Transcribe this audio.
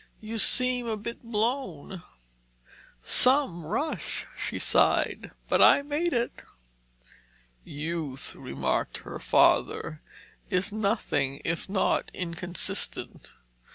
"You seem a bit blown." "Some rush!" she sighed, "but I made it!" "Youth," remarked her father, "is nothing if not inconsistent.